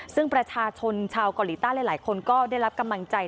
ซึ่งประชาชนชาวเกาหลีใต้หลายคนก็ได้รับกำลังใจ